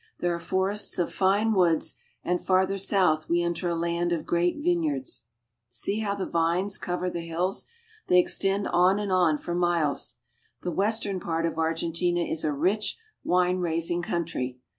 There are forests of fine woods, and farther south we enter a land of great vineyards. See how the vines cover the hills. They extend on and on for miles. The western part of Argentina is a rich wine raising country.